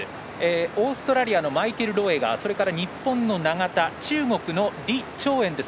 オーストラリアのマイケル・ロエガーそれから日本の永田中国の李朝燕です。